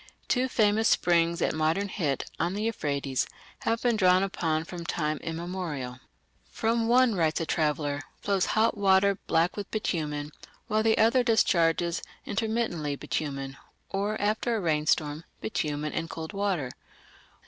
Two famous springs at modern Hit, on the Euphrates, have been drawn upon from time immemorial. "From one", writes a traveller, "flows hot water black with bitumen, while the other discharges intermittently bitumen, or, after a rainstorm, bitumen and cold water....